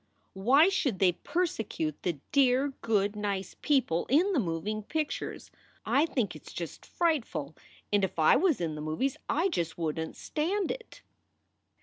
Why should they persecute the dear, good, nice SOULS FOR SALE 253 people in the moving pictures? I think it s just frightiul and if I was in the movies I just wouldn t stand it."